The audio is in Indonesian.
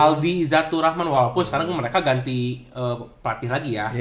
aldi zaturahman walaupun sekarang mereka ganti pelatih lagi ya